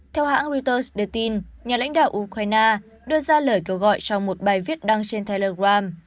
theo hãng reutersde tin nhà lãnh đạo ukraine đưa ra lời kêu gọi trong một bài viết đăng trên telegram